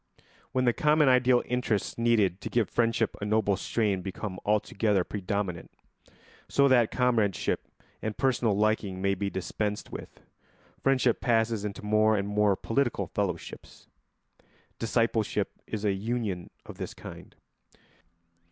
] When the common ideal interests needed to give friendship a noble strain become altogether predominant, so that comradeship and personal liking may be dispensed with, friendship passes into more and more political fellowships. Discipleship is a union of this kind.